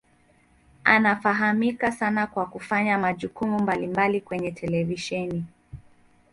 Anafahamika sana kwa kufanya majukumu mbalimbali kwenye televisheni.